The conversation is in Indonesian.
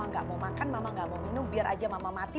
nggak mau makan mama gak mau minum biar aja mama mati